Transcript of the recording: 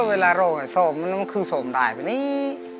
เวลาโรงส้มมันคือโซมได้ไปนี้